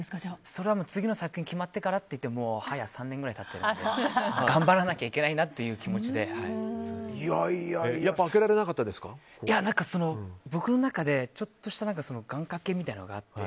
それは次の作品が決まってからって言ってもう早３年くらい経ってるので頑張らなきゃいけないなというやっぱり僕の中で、ちょっとした願掛けみたいなのがあって。